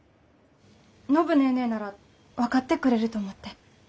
暢ネーネーなら分かってくれると思って。